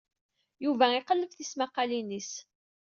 Yuba iqelleb tismaqqalin-is.